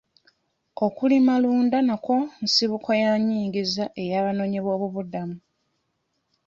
Okulimalunda nakwo nsibuko ya nyingiza ey'abanoonyi b'obubuddamu.